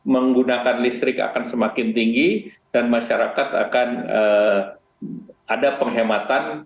menggunakan listrik akan semakin tinggi dan masyarakat akan ada penghematan